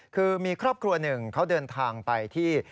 คือมีครอบครัวหนึ่งเขาเดินทางไปที่